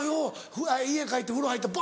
家帰って風呂入ったらバ！